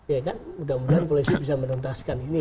ya kan mudah mudahan polisi bisa menuntaskan ini